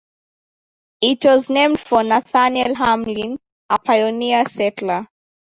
It was named for Nathaniel Hamlin, a pioneer settler.